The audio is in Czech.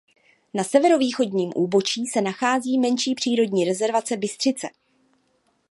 Na severovýchodním úbočí se nachází menší přírodní rezervace Bystřice.